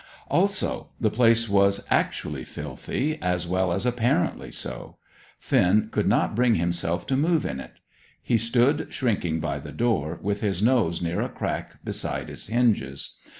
Also, the place was actually filthy, as well as apparently so. Finn could not bring himself to move in it. He stood shrinking by the door, with his nose near a crack beside its hinges.